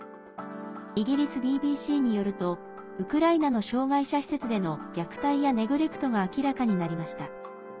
イギリスＢＢＣによるとウクライナの障害者施設での虐待やネグレクトが明らかになりました。